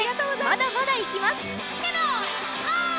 まだまだいきます。